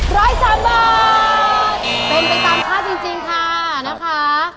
๑๐๓บาทเป็นตามค่าจริงค่ะนะคะ